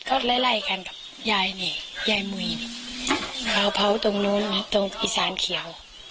ก็ไล่ไล่กันกับยายนี่ยายมุยเขาเผาตรงนู้นตรงอีสานเขียว